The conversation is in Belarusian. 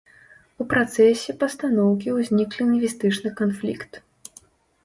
У працэсе пастаноўкі ўзнік лінгвістычны канфлікт.